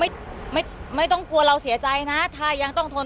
ไม่ไม่ต้องกลัวเราเสียใจนะถ้ายังต้องทน